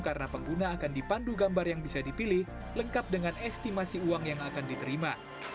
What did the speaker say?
karena pengguna akan dipandu gambar yang bisa dipilih lengkap dengan estimasi uang yang akan diterima